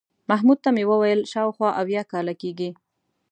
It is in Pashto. محمود ته مې وویل شاوخوا اویا کاله کېږي.